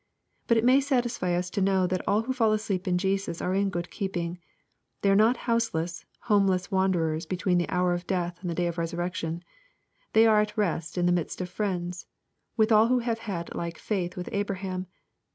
But it may satisfy us to know that all who fall asleep in Jesus are in good keeping. They are not houseless, homeless wanderers betw^een the hour of death and the day of resurrection. They are at rest in the midst of friends, with all who have had like faith with Abraham.